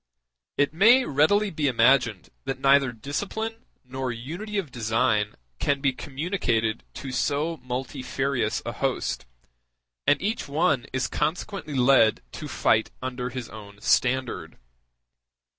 It may readily be imagined that neither discipline nor unity of design can be communicated to so multifarious a host, and each one is consequently led to fight under his own standard.